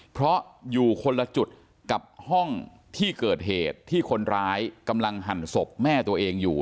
เพราะอยู่คนละจุดกับห้องที่เกิดเหตุที่คนร้ายกำลังหั่นศพแม่ตัวเองอยู่